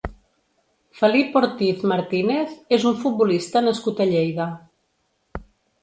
Felip Ortiz Martínez és un futbolista nascut a Lleida.